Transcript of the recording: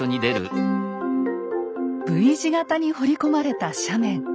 Ｖ字形に掘り込まれた斜面。